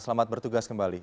selamat bertugas kembali